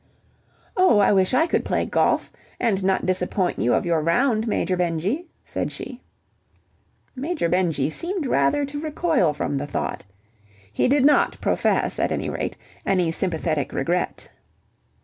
"Oh, I wish I could play golf, and not disappoint you of your round, Major Benjy," said she. Major Benjy seemed rather to recoil from the thought. He did not profess, at any rate, any sympathetic regret.